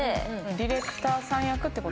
ディレクターさん役って事？